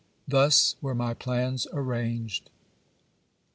Thus were my plans arranged.